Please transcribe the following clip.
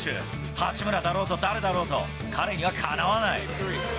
八村だろうと誰だろうと、彼にはかなわない。